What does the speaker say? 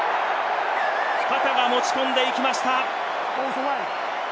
カタが持ち込んでいきました！